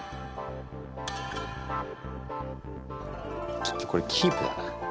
ちょっとこれキープだな。